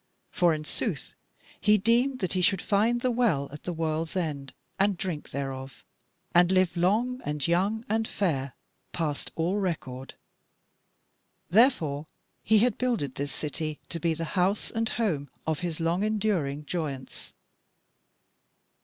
For in sooth he deemed that he should find the Well at the World's End, and drink thereof, and live long and young and fair past all record; therefore had he builded this city, to be the house and home of his long enduring joyance.